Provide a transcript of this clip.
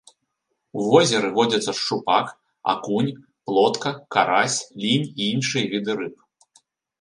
У возеры водзяцца шчупак, акунь, плотка, карась, лінь і іншыя віды рыб.